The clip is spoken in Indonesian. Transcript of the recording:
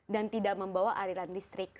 dan tidak membawa arilan listrik